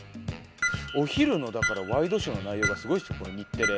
お昼のだから『ワイドショー』の内容がすごいですよ日テレ。